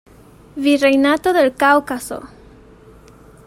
Virreinato del Cáucaso